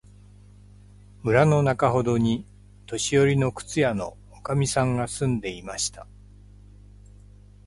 村のなかほどに、年よりの靴屋のおかみさんが住んでいました。